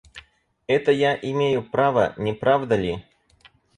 Это я имею право, не правда ли?